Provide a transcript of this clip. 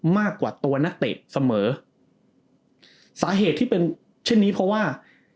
มากกว่าตัวนักเตะเสมอสาเหตุที่เป็นเช่นนี้เพราะว่า